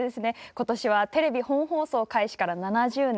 今年はテレビ本放送開始から７０年。